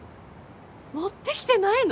持ってきてないの？